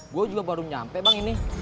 gue juga baru nyampe bang ini